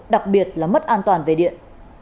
đặc biệt là mất an toàn về điện